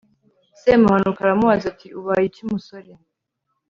semuhanuka aramubaza, ati ubaye iki musore